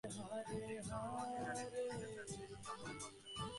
The Dieter Roth Academy is centered in the Skaftfell cultural center.